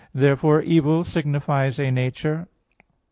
Therefore evil signifies a nature.